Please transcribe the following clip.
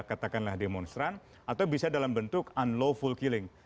katakanlah demonstran atau bisa dalam bentuk unlawful killing